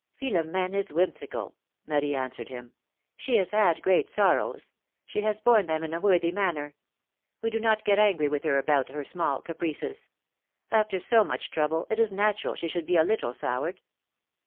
'^ ^'Philom^ne is whimsical,'^ Marie answered him. ^^She has had great sorrows ; she has borne them in a worthy manner; we do not get angry with her about her small caprices ; after so much trouble, it is natural she should be a little soured.